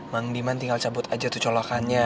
bang diman tinggal cabut aja tuh colokannya